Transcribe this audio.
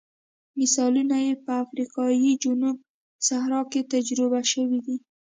مثالونه یې په افریقا جنوب صحرا کې تجربه شوي دي.